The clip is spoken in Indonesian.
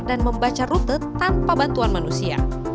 dan membaca rute tanpa bantuan manusia